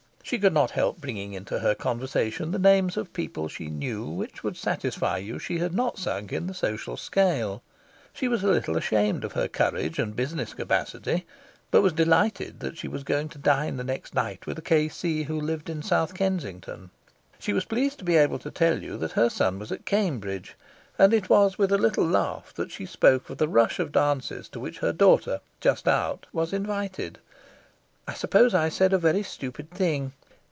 She could not help bringing into her conversation the names of people she knew which would satisfy you that she had not sunk in the social scale. She was a little ashamed of her courage and business capacity, but delighted that she was going to dine the next night with a K.C. who lived in South Kensington. She was pleased to be able to tell you that her son was at Cambridge, and it was with a little laugh that she spoke of the rush of dances to which her daughter, just out, was invited. I suppose I said a very stupid thing.